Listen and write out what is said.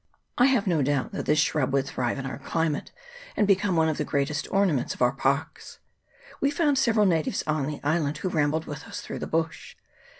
I have no doubt that this shrub would thrive in our climate, and be come one of the greatest ornaments of our parks. We found several natives on the island, who ram bled with us through the bush.